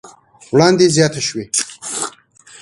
وړاندې زياته شوې